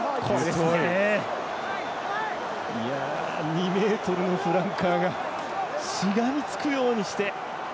２ｍのフランカーがしがみつくようにして。